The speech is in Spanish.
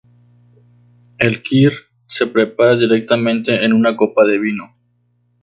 El Kir se prepara directamente en una copa de vino.